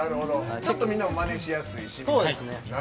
ちょっと、みんなマネしやすいし。